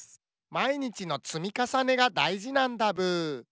まいにちのつみかさねがだいじなんだブー。